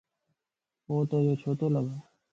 ووتو جو ڇو تو لڳ؟